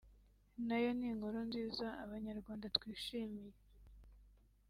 nayo ni inkuru nziza abanyarwanda twishimiye